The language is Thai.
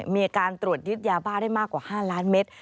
มีการตรวจยึดยาบ้าได้มากกว่า๕ล้านเมตร